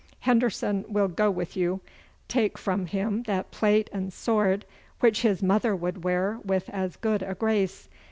Henderson will go with you. Take from him that plate and sword, which his mother would wear with as good a grace.